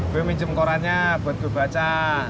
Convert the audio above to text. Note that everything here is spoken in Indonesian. gue minjem korannya buat gue baca